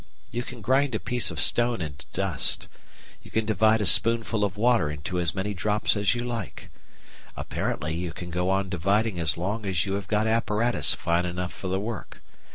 You can grind a piece of stone into dust. You can divide a spoonful of water into as many drops as you like. Apparently you can go on dividing as long as you have got apparatus fine enough for the work.